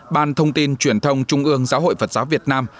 ban thông tin truyền thông trung ương giáo hội phật giáo việt nam